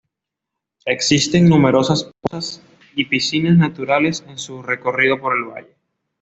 Existen numerosas pozas y piscinas naturales en su recorrido por el valle.